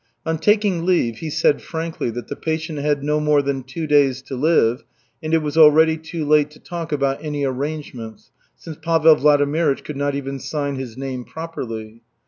On taking leave he said frankly that the patient had no more than two days to live, and it was already too late to talk about any "arrangements" since Pavel Vladimirych could not even sign his name properly.